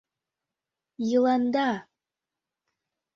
Йыланда!